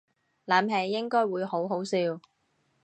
諗起應該會好好笑